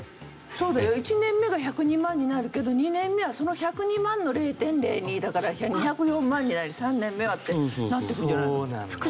そうだよ１年目が１０２万になるけど２年目はその１０２万の０．０２だから１０４万になり３年目はってなっていくんじゃないの？